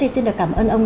thì xin được cảm ơn ông